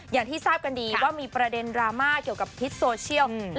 อย่างที่ทราบกันดีว่ามีประเด็นดราม่าเกี่ยวกับพิษโซเชียล